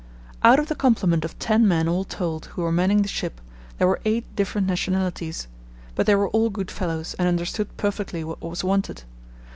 Out of the complement of ten men all told who were manning the ship, there were eight different nationalities; but they were all good fellows and understood perfectly what was wanted.